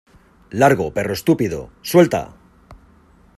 ¡ Largo, perro estúpido! ¡ suelta !